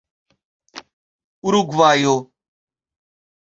urugvajo